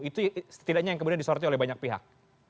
itu setidaknya yang kemudian disortir oleh banyak pihak